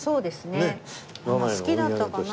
好きだったかな？